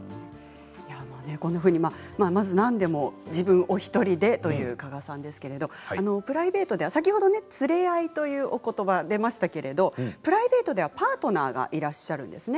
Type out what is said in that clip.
こんなふうにまず何でも自分お一人でという加賀さんですけれどプライベートでは先ほど連れ合いというおことばが出ましたけれどもプライベートではパートナーがいらっしゃるんですね。